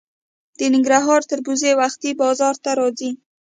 د ننګرهار تربوز وختي بازار ته راځي.